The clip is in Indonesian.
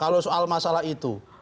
kalau soal masalah itu